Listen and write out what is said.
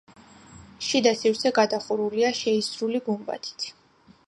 შიდა სივრცე გადახურულია შეისრული გუმბათით.